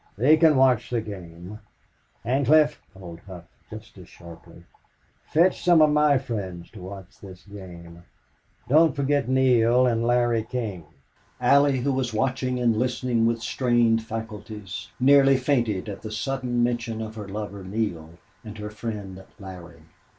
"They can watch the game." "Ancliffe," called Hough, just as sharply, "fetch some of my friends to watch this game. Don't forget Neale and Larry King." Allie, who was watching and listening with strained faculties, nearly fainted at the sudden mention of her lover Neale and her friend Larry.